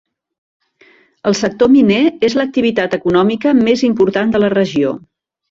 El sector miner és l'activitat econòmica més important de la regió.